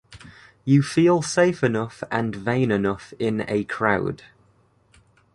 You feel safe enough and vain enough in a crowd.